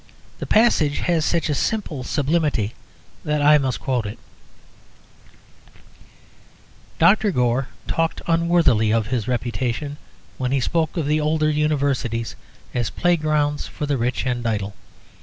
The passage has such simple sublimity that I must quote it "Dr. Gore talked unworthily of his reputation when he spoke of the older Universities as playgrounds for the rich and idle.